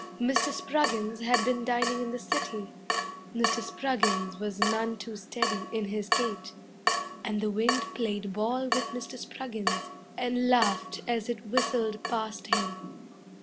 Mr. Spruggins had been dining in the city, Mr. Spruggins was none too steady in his gait, And the wind played ball with Mr. Spruggins And laughed as it whistled past him.